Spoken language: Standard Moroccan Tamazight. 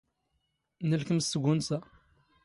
ⵏⵍⴽⵎ ⵙ ⵜⴳⵓⵏⵙⴰ.